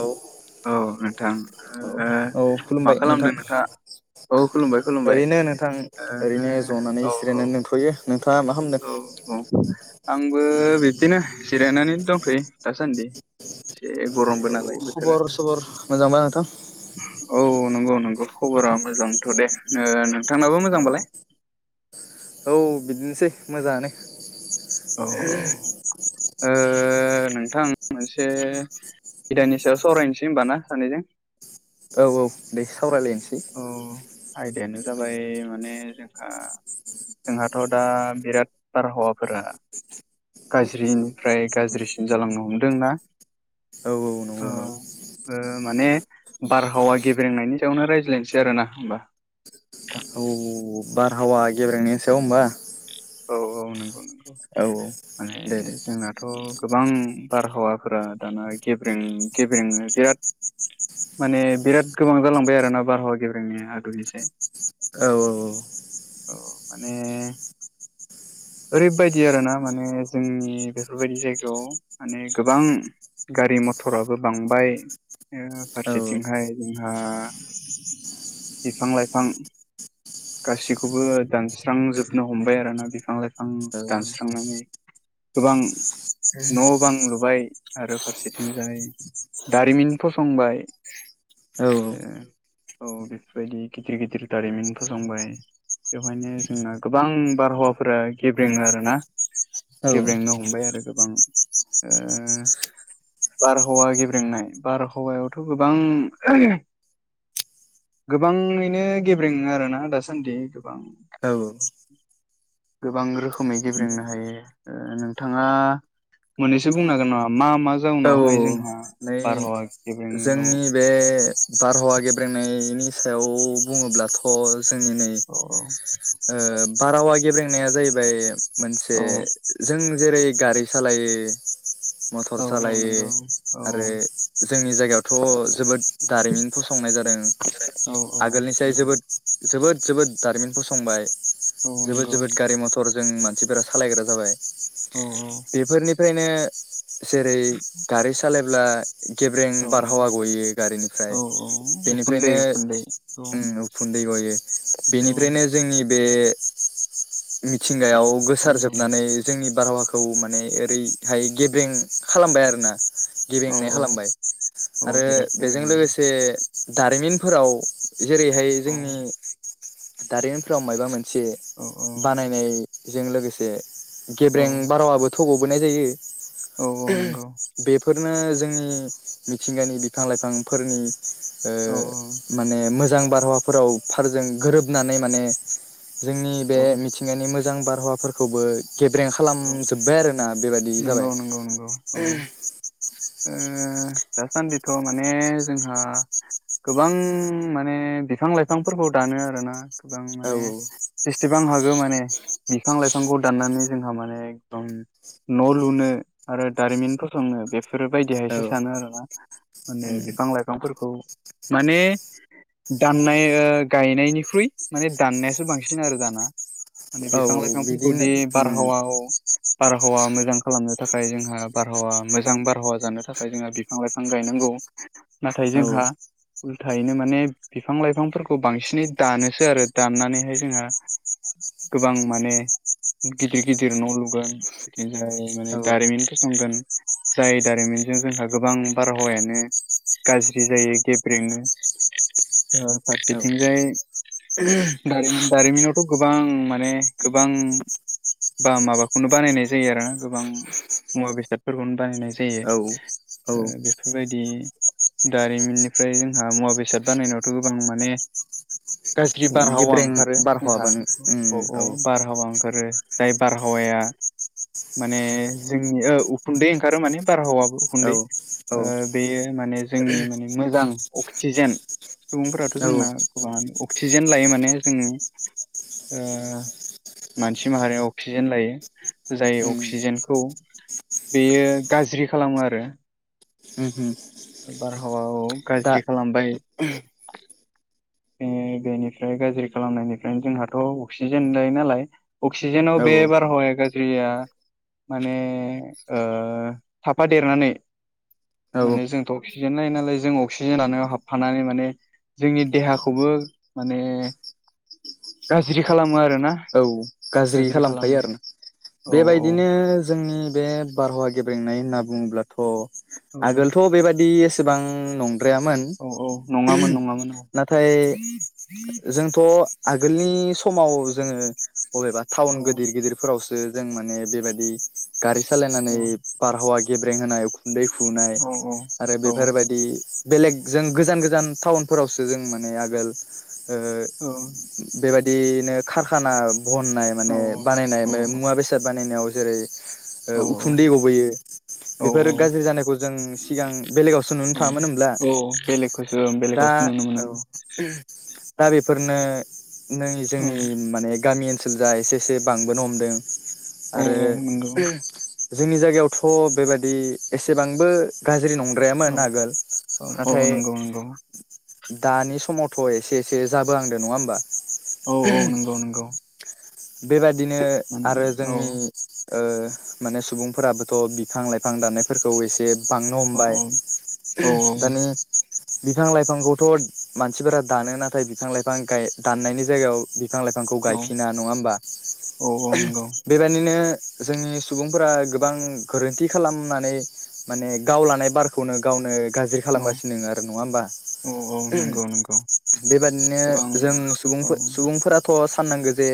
औ औ नोंथां औ ओ औ मा खुलुमबाय नोंथां खालामदों नोंथाङा? औ खुलुमबाय खुलुमबाय ओरैनो नोंथां ओरैनो ज'नानै ओ औ सिरायनानै दंथ'यो नोंथां दा मा खालामदों? औ औ आंबो बिब्दिनो जिरायनानै दंथ'यो दासान्दि एसे गरमबो नालाय बोथोरा खबर सबर मोजां ना नोंथां? औ नंगौ नंगौ खबरा मोजांथ' दे ओ नोंथांनाबो मोजांबालाय? औ बिदिनोसै मोजाङानो [inaudible] औ ओ नोंथां मोनसे बिदानि सायाव सावरायनोसै होमबा ना सानैजों। औ औ दे सावरायलायनोसै औ आयदायानो जाबाय माने जोंहा जोंहाथ' दा बिराद बारहावाफोरा गाज्रिनिफ्राय गाज्रिसिन जालांनो हमदोंना औ नंगौ औ नंगौ ओ माने बारहावा गेब्रेंनायनि सायावनो रायज्लायनोसै आरोना होमबा नोंथां। औ बारहावा गेब्रेंनि सायाव होमबा। औ औ नंगौ नंगौ औ औ दे दे। थ' गोबां बारहावाफोरा दाना गेबेें बिराद माने बिराद गोबां जालांबाय आरोना बारहावा गेब्रेंनि आगुनिसाय। औ अ माने ओरैबायदि आरोना माने जोंनि बेफोरबायदि जायगायाव माने गोबां गारि मथराबो बांबाय ओ औ फारसेथिंहाय जोंहा बिफां लाइफां गासि खौबो दानस्रांजोबनो हमबाय आरोना बिफां लाइफां दानस्रांनानै गोबां न' बां लुबाय आरो फारसेथिंजाय दारिमिन फसंबाय औ औ औ बेफोरबायदि गिदिर गिदिर दारिमिन फसंबाय। बेवहायनो जोंना गोबां बारहावाफोरा गेब्रेङो आरोना औ गेब्रेंनो हमबाय आरो गोबां ओ बारहावा गेब्रेंनाय बारहावायावथ' गोबां गोबाङैनो गेब्रेङो आरोना दासान्दि। गोबां गोबां रोखोमै गेब्रेंनो हायो ओ नोंथाङा मोननैसो बुंनो हागोन नामा मा मा जाउनावहाय औ जोंहा नै बारहावा गेब्रेङो जोंनि बे बारहावा गेब्रेनायनि सायाव बुङोब्लाथ' जोंनि नै औ ओ बारहावा गेब्रेंनाया जायैबाय मोनसे औ जों जेरै गारि सालायो मटर औ औ सालायो नंगौ औ आरो जों नि जायगायावथ' जोबोद दारिमिन फसंनाय जादों औ औ आगोलनिसाय नंगौ जोबोद जोबोद जोबोद। दारिमिन फसंबाय औ जोबोद नंगौ जोबोद गारि मथर जों मानसिफोरा सालायग्रा जाबाय। औ बेफोरनि। फ्रायनो। जेरै गारि सालाय। [inaudible] ब्रें औ बारहावा औ गयो गारिनिफ्राय औ औ उखुन्दै बेनिफ्रायनो उखुन्दै औ ओम उखुन्दै गयो औ बेनिफ्रायनो जोंनि। बे। औ मिथिंगायाव नंगौ गोसारजोबनानै जोंनि। बारहावाखौ माने ओरै हाय गेब्रें खालामबाय आरोना। औ गेबेंनाय औ खालामबाय। औ आरो बिराद बेजों गेब्रेङो लोगोसे। दारिमिनफोराव। जेरैहाय औ जोंनि। दारिमनफ्राव मायबा मोन। से औ औ बानायनाय। जों लोगोसे। औ गेब्रें बारहावाबो। थ' ग'बोनाय जायो। औ औ नंगौ बेफोर। ओ जोंनि मिथिंगानि बिफां लाइफांफोरनि औ ओ माने मो जां बारहावाफोराव फारजों गोरोबनानै माने जोंनि बे औ मिथिंगानि मो मोजां बारहावाफोरखौबो। गेब्रें औ खालामजोब्बाय आरो ना बेबादि जाबाय। नंगौ नंगौ नंगौ औ ओ दासान्दिथ' माने जोंहा गोबां माने बिफां लाइफांफोरखौ दानो आरोना। गोबां औ माने जसेबां हागौ माने बिफां लाइ। बिफांखौ दाननानै। जोंहा माने न' लुनो आरो दारिमिन फसंनो। बेफोरबायायदिहायसो औ सानो आरोना माने औ बिफां लाइफांफोरखौ। माने दाननाय ओ गायनायनिख्रुइ माने दाननायासो बांसिन आरो दाना। औ औ बिदिनो। बारहावा औ बारहावा मोजां खालामनो थाखाय जोंहा बारहावा। मोजां बारहावा जानो थाखाय जोंहा बिफां लाइफां गायनांगौ नाथाय औ जोंहा [unintelligible] थायैनो माने बिफां लाइफांफोरखौ बांसिनै दानोसो आरो दाननानैहाय जोंहा गोबां माने गिदिर गिदिर न' लुगोन ओमफाय माने औ दारिमिन फसंगोन जाय दारिमिनजों जोंहा गोबां बारहावायानो गाज्रि जायो गेब्रेंनो ओ फारसेथिंजाय दारिमिन दारिमिनावथ' गोबां माने गोबां बा माबाखौनो बानायनाय जायो आरोना गोबां मुवा बेसादफोरखौनो बानायनाय औ औ [unintelligible] बेफोरबायदि दारिमिननि [unintelligible] जोंहा मुवा बेसाद बानायनायावथ' गोबां माने गाज्रि बारहावा गेब्रें ओंखारो जोंहा बारहावाबो उम औ औ बारहावा ओंखारो जाय बारहावाया माने जोंनि ओ उखुन्दै ओंखारो माने बारहावा उखुन्दै औ ओ औ बेयो माने जोंनि माने मोजां अक्सिजेन सुबुंफोराथ' औ जोंना गोबां [unintelligible] लायो माने जोङो ओ मानसि माहारियाव अक्सिजेन लायो जाय उम अक्सिजेनखौ बेयो गाज्रि खालामो आरो उमहो बारहावा औ दा गाज्रि खालामबाय बेनिफ्राय गाज्रि खालामनायनिफ्रायनो जोंहाथ अक्सिजेन लायो नालाय अक्सिजेनाव औ बे बारहावाया गाज्रिया माने साफा देरनानै औ माने जों अक्सिजेन लायो नालाय जों अक्सिजेनानो हाबफानानै माने जोंनि देहाखौबो माने गाज्रि खालामो आरोना गाज्रि खालामफायो आरो ना औ औ बेबायदिनो जोंनि बे बारहावा गे फोरोंनाय होनना बुङोब्लाथ औ आगोलथ बेबाददि सेबां नं ग्रायामोन औ औ नङामोन नङामोन औ नाथाय जोंथ' आगोलनि समाव जोङो बबेबा औ टाउन गिदिर गिदिरफोरावसो जों माने बेबदि गारि औ सालायनानै बार हावा गेब्रें होनायु गुन्दै फुनाय औ आरो औ बेफोरबायदि बेलेग जों गोजान गोजान टाउनफोरावसो जों माने आगोल औ बेबायदि बिदिनो खारखाना बननाय औ माने बानायनाय मुवा बेसाद बानायनायाव जेरै औ उखुन्दै गबोयो बेफोर औ गाज्रि जानायखौ जों सिगां बेलेगावसो नुनो थाङामोन अब्ला औ बेलेगखौसो दा बेलेगावसो नुनो औ मोनोमोन दा बेफोरनो नों औ जोंनि माने गामि ओनसोल ओनसोल जा एसे एसे बांबोनो हमदों औ आरो औ नंगौ जोंनि जायगायावथ बेबादि एसेबांबो गाज्रि जेरै नंद्रायामोन औ आगोल औ औ नाथाय नंगौ नंगौ दानि समावथ एसे एसे जाबो आंद नङा होमबा औ औ नंगौ नंगौ बेबा बिदिनो माने आरो जोंनि औ ओ माने सुबुंफोराबोथ बिफां लाइफां दाननायफोरखौ एसे बांनो औ हमबाय दानि बिफां लाइफांखौथ मानसिफोरा दानो नाथाय बिफां लाइफां गाय दाननायनि जायगायाव बिफां लाइाफांखौ औ गायफिन नङा होनबा औ औ नंगौ बेबायनो नो जोंनि सुबुंफोरा गोबां गोरोन्थि खालामनानै माने गावलानाय बारखौनो गावनो गाज्रि औ खालामगासिनो आरो नङा होमबा औ औ नंगौ नंगौ बेबादिनो गोबां जों औ सुबुंफोराथ' फाननांगोन बे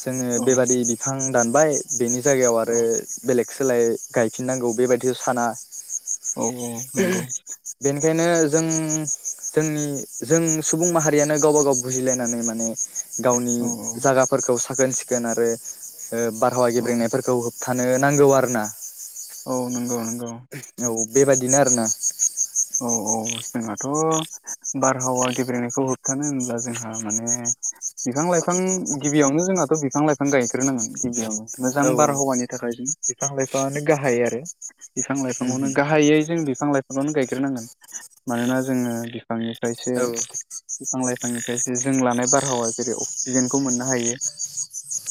जोङो औ बेबादि बिफां दानबाय बेनि जायगायाव औ आरो बेलेग सोलाय गायफिननांगौ बेबायदिखौ साना औ औ नंगौ ओंखायनो जों जोंनि जों सुबुं माहारियानो गावबा गाव बुजिलायनानै माने गावनि औ जागाफोरखौ स साखोन सिखोन आरो ओ बारहावा औ गेब्रेंनायफोरखौ थानो नांगौ आरो ना औ नंगौ नंगौ बेबादिनो आरोना औ औ जोंहाथ' बारहावा गेब्रेंनायखौ होबथानो होनब्ला जोंहा माने बिफां लाइफां गिबियावनो जोंहाथ' बिफां लाइफां गायग्रोनांगोन गिबियावनो मोजां औ बारहावानि थाखाय जों बिफां लाइफांआनो गाहाय आरो। बिफां लाइफांखौनो गाहायै जों बिफां लाइ [unintelligible] ग्रोनांगोन मानोना जोङो फांनिफ्रायसो बिफां लाइफांनिफ्राय जों लानाय बारहावा जेरै अक्सिजेनखौ मोननो हायो।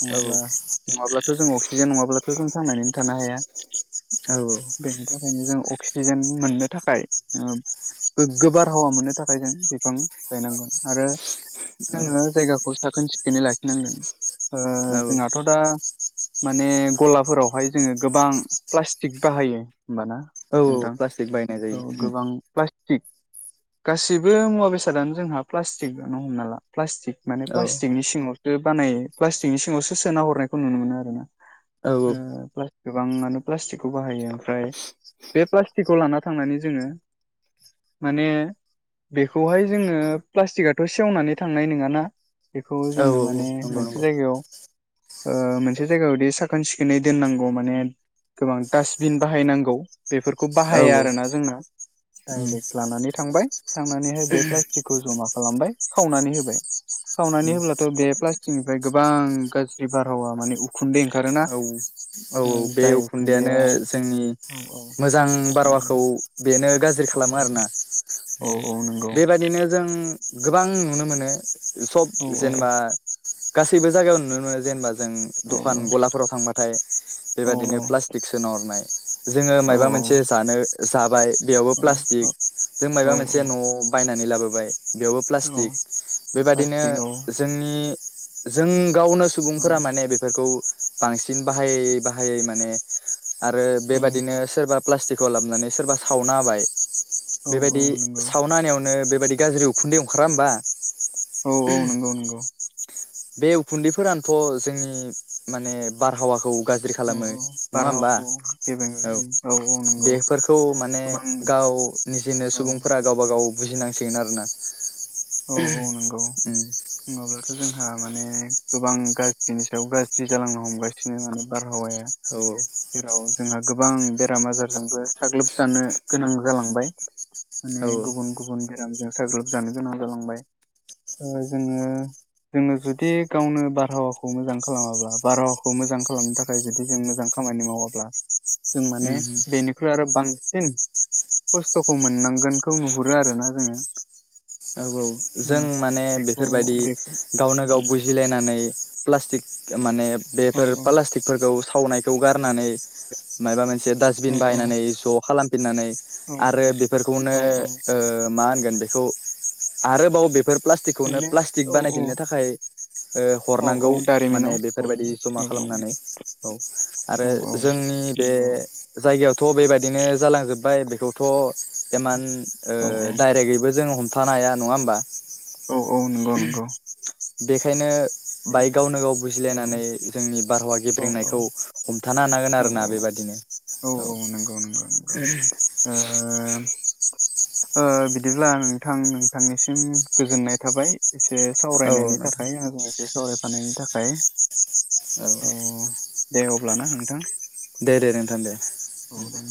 नङाब्ला नङाब्ला थ' जों अक्सिजेन नङाब्लाथ' जों थांनानैनो थानो हाया। बेनि थाखायनो जों अक्सि अक्सिजेन मोननो थाखाय। ओ गोगो बार हावा मोननो थाखाय जों बिफां गायनांगोन आरो जोङो जायगाखौ साखोन सिखोनै लाखिनांगोन। ओ औ जोंहाथ' दा माने गलाफोरावहाय जोङो गोबां प्लास्टिक बाहायो। होमबाना औ औ नोंथां प्लास्टिक बाहायनाय औ जायो। गोबां थिग गासिबो मुवा बेसादानो जोंहा प्लास्टिक आनो हमना ला प्लास्टिक। माने औ प्लास्टिकनि सिङाव। बानाय प्लास्टिकनि सिङावसो सोना हरनायखौ नुनो मोनो आरो ना। औ ओम प्लास। गोबाङानो प्लास्टिकखौ बाहायो ओमफ्राय बे प्लास्टिकखौ लानानै। थांनानै जोङो माने बेखौहाय जोङो प्लास्टिकआथ' सेवनानै थांनाय नोङाना। बेखौ औ जोङो नंगौ माने नंगौ मोनसे जायगायाव। ओ मोनसे जायगायावदि साखोन सिखोनै दोननांगौ माने गोबां डास्टबिन बाहायनांगौ। बेफोरखौ औ बाहाया। औ दाना जोंना डाइरेक्ट लानानै थांबाय। थांनानैहाय बे प्लास्टिकखौ जमा। खालामबाय खावनानै होबाय। खावनानै होब्लाथ' बे प्लास। थिंनिफ्राय गोबां गाज्रि बारहावा माने उखुन्दै। ओंखारोना औ औ औ बे जाय उखुन्दैआनो उखुन्दैया जोंनि मोजां बारहावा। खौ बेनो गाज्रि खालामो आरोना औ औ नंगौ बेबादिनो जों। गोबां नुनो मोनो। सब औ औ जेनेबा। गासैबो जायगायाव नुनो मोनो जेनेबा। जों औ नंगौ औ दखान गला। खराव थांबाथाय बेबायादिनो प्लास्टिक सोनहरनाय। [inaudible] जोङो औ माबा मोनसे जानो। साहाबाय। बेयावबो प्लास्टिक जों मबा औ मोनसे औ न' बाय नानै लाबोबाय। बेयावबो औ प्लास्टिक बेबादिनो प्लास्टिक औ जोंनि जों गावनो औ सुबुंफोरा माने बेफोरखौ। बांसिन बाहायै बाहायै माने आरो औ बेबादिनो सोरबा प्लास्टिकखौ लाबोनानै सोरबा सावना होबाय। औ औ बेबायदि नंगौ सावना होनायावनो बेब बेबाय गाज्रि उखुनदै ओंखारा होमबा। [unintelligible] औ औ नंगौ नंगौ बे उखुन्दैफोरानोथ' जोंनि माने बारहावाखौ गाज्रि औ खालामो औ नङा होमबा बारहावाखौ गेबेङो औ औ नंगौ बेफोरखौ माने गोबां गाव निजेनो औ सुबुंफोरा गावबा गाव बुजिनांसिगोन आरोना ओ नंगौ उम नङाब्लाथ' जोंहा माने गोबां गाज्रिनि सायाव गाज्रि जालांनो हमगासिनो माने बार हावाया औ जेराव जोंहा गोबां बेराम आजारजोंबो साग्लोबजानो गोनां जालांबाय औ माने गुबुन गुबुन बेराम जों साग्लोबजानो गोनां जालांबाय ओ जोङो जोङो जुदि गावनो बारहावाखौ मोजां खालामाब्ला बारहावाखौ मोजां खालामनो थाखाय जुदि जों मोजां खामानि मावाब्ला जों माने उम बेनिख्रुइ आरो बांसिन खस्थ'खौ मोननांगोनखौ नुहुरो आरोना जोङो। औ औ ओ जों माने बेखौ बेफोरबायदि बेखौ गावनो औ गाव बुजिलायनानै प्लास्टिक खो मानेब औ बेफोर औ प्लास्टिकफोरखौ सावनाय खौ गारनानै मायबा मोन से औ दासबिन बाहायनानै ज' खालाम दोननानै औ आरो बेफोरखौनो औ औ ओ मा होन गोन बेखौ आरो बाव बे बेफोर प्लास्टिकखौनो माने प्लास्टिक औ औ बानायफिननो थाखाय। ओ औ औ हरनांगौ माने दारिमिनाव बेफोरबायदि हरनो जमा औ औ खालामनानै औ आरो औ औ जोंनि बे नंगौ जायगायाव। थ' बेबायदिनो जालांजोबबाय बेखौथ' औ इमान ओ औ डाइरेक्टैबो जों हम थानो हाया नङा होमबा? औ औ नंगौ नंगौ। बेखायनो बाहाय गावनो गाव औ बुजिलायनानै जोंनि बारहावा औ गेब्रेंनायखौ हमथानो हानांगोन औ आरोना बेबादिनो औ। नंगौ नंगौ नंगौ ओ ओ बिदिब्ला नोंथां नोंथांनिसिम गोजोननाय थाबाय एसे औ सावरायनायनि नोंथां थाखाय आरो बे सावरायफानायनि थाखाय। ओमफ्राय औ दे अब्लाना नोंथां। दे दे नोंथां दे औ ओम। दे